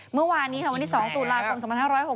เมื่อวานนี้ค่ะวันที่๒ตุลาคม๒๕๖๖